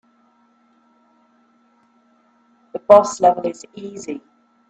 The boss level is easy.